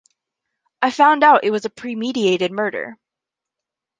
I found out it was a premeditated murder.